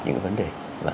những vấn đề